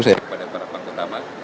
saya kepada para pangutama